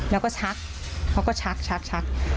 แล้วก็ชักเขาก็ชัก